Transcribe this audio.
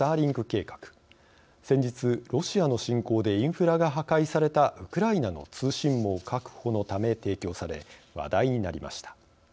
先日ロシアの侵攻でインフラが破壊されたウクライナの通信網確保のため提供され話題になりました。